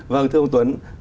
vâng thưa ông tuấn